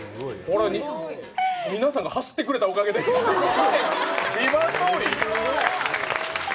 皆さんが走ってくれたおかげで、ＶＩＶＡＮＴ通り！？